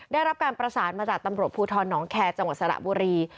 ได้รับการประสานมาจากตำรวจภูทรน้องแคร์จังหวัดสระบุรี